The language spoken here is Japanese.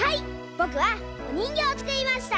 ぼくはおにんぎょうをつくりました。